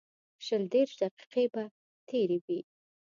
شل دېرش دقیقې به تېرې وې.